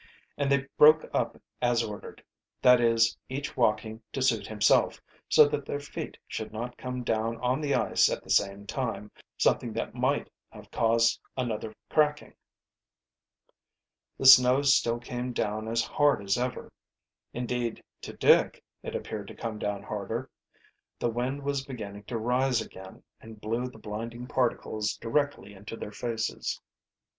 And they broke up as ordered that is each walking to suit himself, so that their feet should not come down on the ice at the same time, something which might have cause another cracking. The snow still came down as hard as ever indeed, to Dick it appeared to come down harder. The wind was beginning to rise again and blew the blinding particles directly into their faces.